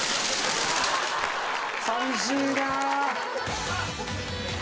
「寂しいなあ」